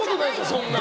そんなの。